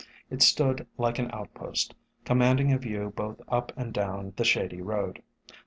It stood like an outpost, com manding a view both up and down the shady road.